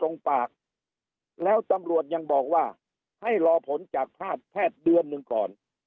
ตรงปากแล้วตำรวจยังบอกว่าให้รอผลจากแพทย์แพทย์เดือนหนึ่งก่อน